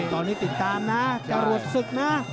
ตอนนี้ติดตามนะจรวดศึกนะ